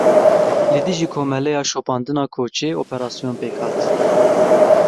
Li dijî Komeleya Şopandina Koçê operasyon pêk hat.